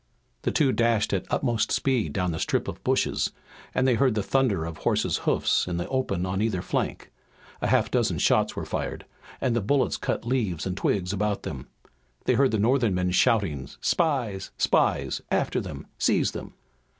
The two dashed at utmost speed down the strip of bushes and they heard the thunder of horses' hoofs in the open on either flank. A half dozen shots were fired and the bullets cut leaves and twigs about them. They heard the Northern men shouting: "Spies! Spies! After them! Seize them!"